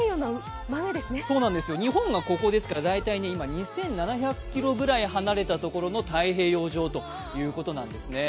日本がここですから今、２７００ｋｍほど離れたところの太平洋上ということなんです。